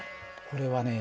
これはね